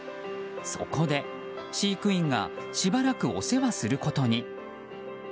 そこで、飼育員がしばらくお世話することに。